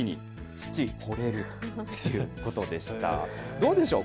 どうでしょう？